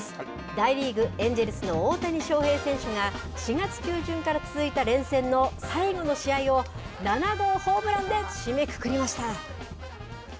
大リーグ・エンジェルスの大谷翔平選手が、４月中旬から続いた連戦の最後の試合を７号ホームランで締めくくりました。